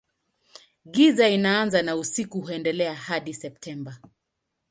Giza inaanza na usiku huendelea hadi Septemba.